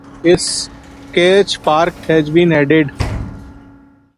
A skate park has been added.